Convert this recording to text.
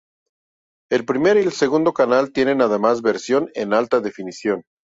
El primer y el segundo canal tienen además versión en alta definición.